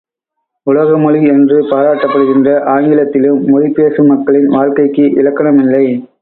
உலகமொழி என்று பாராட்டப்படுகின்ற ஆங்கிலத்திலும் மொழி பேசும் மக்களின் வாழ்க்கைக்கு இலக்கணமில்லை.